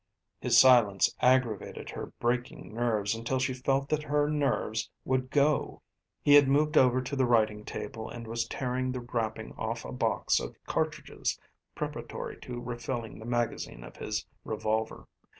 His silence aggravated her breaking nerves until she felt that her nerves would go. He had moved over to the writing table and was tearing the wrapping off a box of cartridges preparatory to refilling the magazine of his revolver.